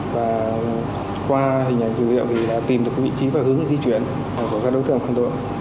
và qua hình ảnh dữ liệu thì đã tìm được vị trí và hướng di chuyển của các đối tượng phạm tội